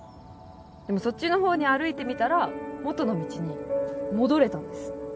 でもそっちのほうに歩いてみたら元の道に戻れたんです。